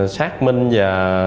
xác minh và